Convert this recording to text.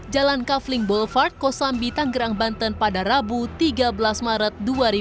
jalan kavling boulevard kosambi tanggerang banten pada rabu tiga belas maret dua ribu dua puluh